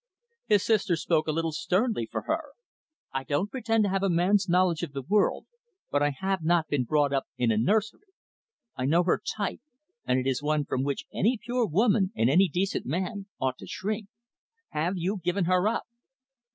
His sister spoke a little sternly for her. "I don't pretend to have a man's knowledge of the world, but I have not been brought up in a nursery. I know her type, and it is one from which any pure woman, and any decent man, ought to shrink. Have you given her up?"